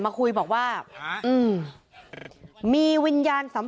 เป็นไงเป็นไงอ่ะ